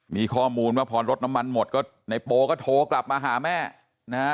มีข้อมูลว่าพอรถน้ำมันหมดก็ในโปก็โทรกลับมาหาแม่นะฮะ